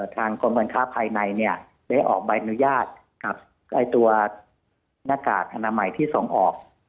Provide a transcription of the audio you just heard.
ทางกรมการค้าภายในได้ออกใบอนุญาตกับตัวหน้ากากอนามัยที่ส่งออก